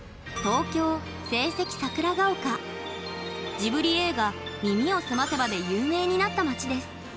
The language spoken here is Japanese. ジブリ映画「耳をすませば」で有名になった街です。